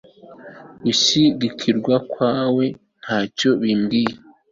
gushyingirwa kwa we ntacyo bimbwiye